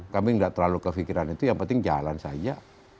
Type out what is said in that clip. kami nggak terlalu kefikiran itu yang penting jalan saja